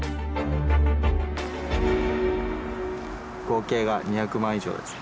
合計が２００万円以上です。